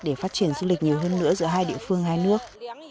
để phát triển du lịch nhiều hơn nữa giữa hai địa phương hai nước